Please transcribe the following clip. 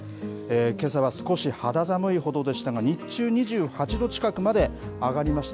けさは少し肌寒いほどでしたが、日中、２８度近くまで上がりました。